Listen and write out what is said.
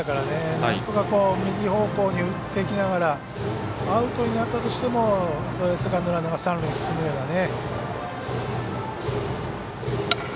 なんとか右方向に打っていきながらアウトになったとしてもセカンドランナーが三塁に進むようなね。